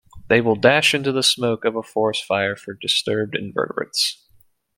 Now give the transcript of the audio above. They will dash into the smoke of a forest fire for disturbed invertebrates.